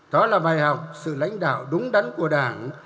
đó là bài học sự lãnh đạo đúng đắn của đảng